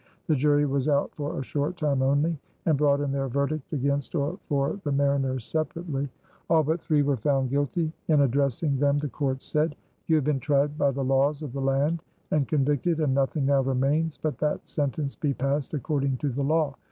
The jury was out for a short time only and brought in their verdict against or for the mariners separately. All but three were found guilty. In addressing them the Court said: "You have been tried by the laws of the land and convicted and nothing now remains but that sentence be passed according to the law.